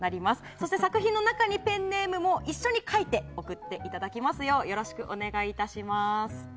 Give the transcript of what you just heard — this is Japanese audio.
そして、作品の中にペンネームも一緒に書いて送っていただきますようよろしくお願いいたします。